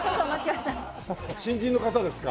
新人の方ですか？